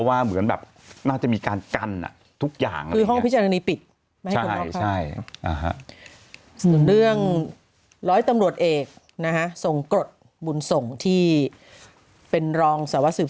วันนี้ญาติก็จะไม่มีไป